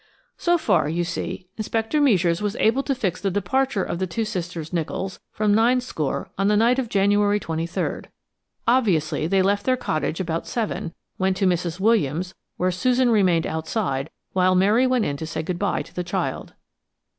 So far, you see, Inspector Meisures was able to fix the departure of the two sisters Nicholls from Ninescore on the night of January 23rd. Obviously they left their cottage about seven, went to Mrs. Williams, where Susan remained outside while Mary went in to say good bye to the child.